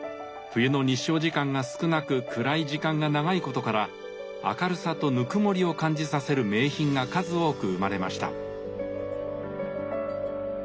冬の日照時間が少なく暗い時間が長いことから明るさとぬくもりを感じさせる名品が数多く生まれました。